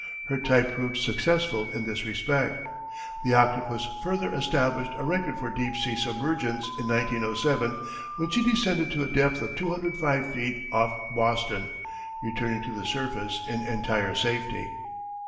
Her type proved successful in this respect. The Octopus further established a record for deep sea submergence in 1907 when she descended to a depth of 205 feet off Boston, returning to the surface in entire safety.